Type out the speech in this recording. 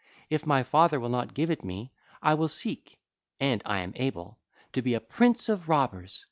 If my father will not give it to me, I will seek—and I am able—to be a prince of robbers.